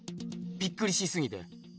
びっくりしすぎて。